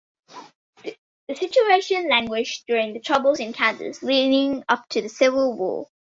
The situation languished during the troubles in Kansas leading up to the Civil War.